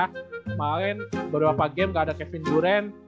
kemarin beberapa game nggak ada kevin durant